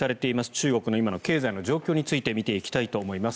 中国の今の経済の状況について見ていきたいと思います。